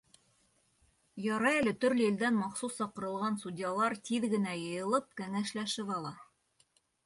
Ярай әле төрлө илдән махсус саҡырылған судьялар тиҙ генә йыйылып, кәңәшләшеп ала.